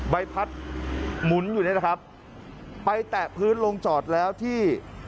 ใบพัดหมุนอยู่เนี่ยนะครับไปแตะพื้นลงจอดแล้วที่